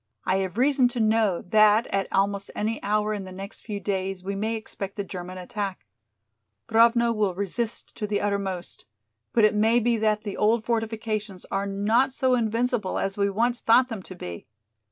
I have reason to know that at almost any hour in the next few days we may expect the German attack. Grovno will resist to the uttermost. But it may be that the old fortifications are not so invincible as we once thought them to be.